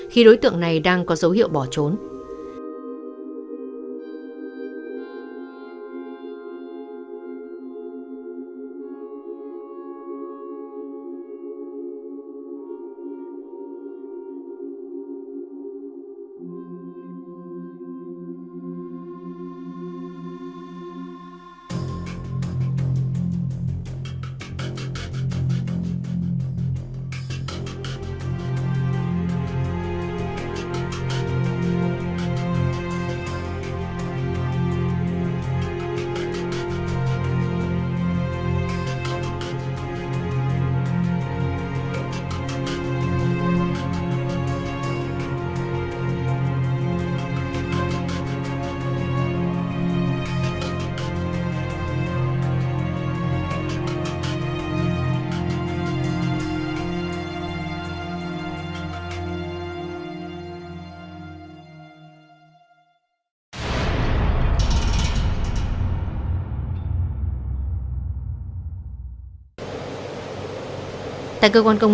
khi đối tượng này đang có dấu hiệu bỏ trốn